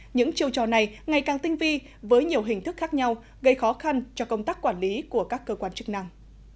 những chiêu trò này ngày càng tinh vi với nhiều hình thức khác nhau gây khó khăn cho công tác quản lý của các cơ quan chức năng